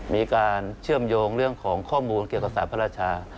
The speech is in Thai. มีการเชื่อมโยงเรื่องของข้อมูลเกี่ยวกับศาสตพระราชา